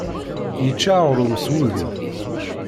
Yečča aɣrum s wudi.